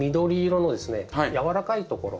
軟らかいところ。